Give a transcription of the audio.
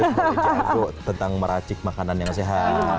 boleh jago tentang meracik makanan yang sehat